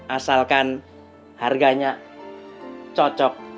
asalkan harganya cocok